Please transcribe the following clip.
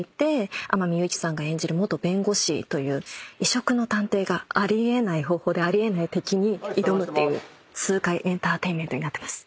天海祐希さんが演じる元弁護士という異色の探偵があり得ない方法であり得ない敵に挑むっていう痛快エンターテインメントになってます。